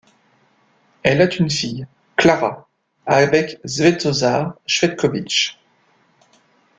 Elle a une fille, Klara, avec Svetozar Cvetkovic.